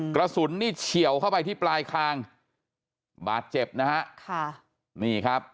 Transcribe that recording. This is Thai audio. กระสุนนี่เฉียวเข้าไปที่ปลายคางบาดเจ็บนะฮะค่ะนี่ครับ